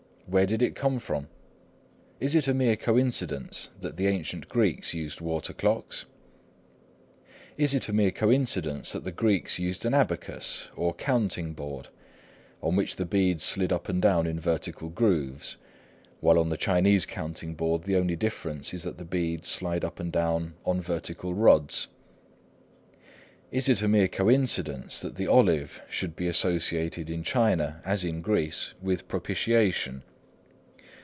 Where did it come from? Is it a mere coincidence that the ancient Greeks used water clocks? Is it a coincidence that the Greeks used an abacus, or counting board, on which the beads slid up and down in vertical grooves, while on the Chinese counting board the only difference is that the beads slide up and down on vertical rods? Is it a mere coincidence that the olive should be associated in China, as in Greece, with propitiation?